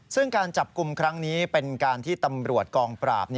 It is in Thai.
ซึ่งการจับกลุ่มครั้งนี้เป็นการที่ตำรวจกองปราบ